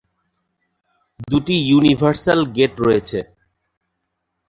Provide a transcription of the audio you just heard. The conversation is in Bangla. দুটি ইউনিভার্সাল গেট রয়েছে।